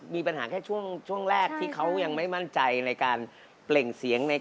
มีปัญหาแค่ช่วงแรกที่เขายังไม่มั่นใจในการเปล่งเสียง